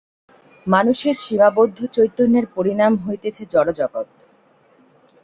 মানুষের সীমাবদ্ধ চৈতন্যের পরিণাম হইতেছে জড়জগৎ।